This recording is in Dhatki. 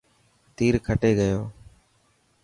تير کٽي گيو.